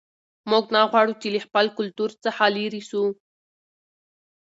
موږ نه غواړو چې له خپل کلتور څخه لیرې سو.